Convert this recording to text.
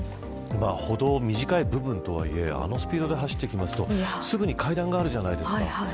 歩道、短い部分とはいえあのスピードで走ってくるとすぐに階段があるじゃないですか。